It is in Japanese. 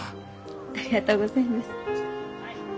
ありがとうございます。